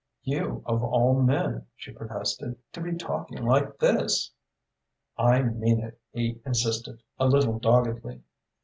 "You, of all men," she protested, "to be talking like this!" "I mean it," he insisted, a little doggedly.